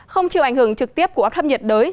không chịu ảnh hưởng trực tiếp của áp thấp nhiệt đới